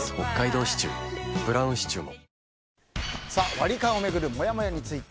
ワリカンを巡るモヤモヤについて。